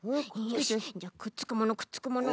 よしじゃあくっつくものくっつくもの。